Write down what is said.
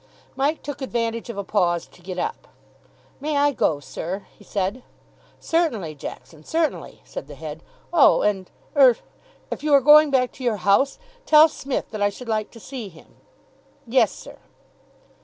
Mike took advantage of a pause to get up. "May I go, sir?" he said. "Certainly, Jackson, certainly," said the Head. "Oh, and er , if you are going back to your house, tell Smith that I should like to see him." "Yes, sir."